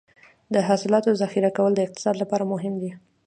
د حاصلاتو ذخیره کول د اقتصاد لپاره مهم دي.